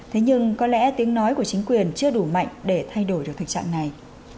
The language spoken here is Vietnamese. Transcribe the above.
thế nhưng có lẽ tiếng nói của chính quyền chưa đủ mạnh để thay đổi được thực trạng này